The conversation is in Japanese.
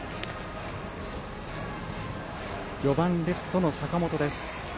４番レフト、坂元です。